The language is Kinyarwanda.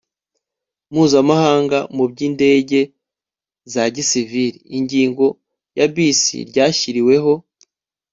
mpuzamahanga mu by'indege za gisivili (ingingo ya bis), ryashyiriweho